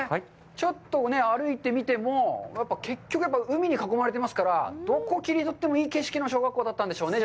ちょっと歩いてみても、結局、海に囲まれてますから、どこ切り取ってもいい景色の小学校だったんでしょうね。